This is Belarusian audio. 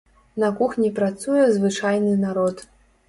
На кухні працуе звычайны народ.